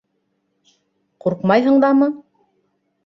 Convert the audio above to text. — Ҡурҡмайһың дамы?